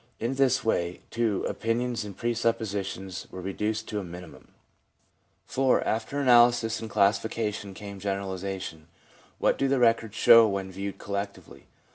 In this way, too, opinions and presuppositions were reduced to a minimum. 4. After analysis and classification came general isation. What do the records show when viewed collectively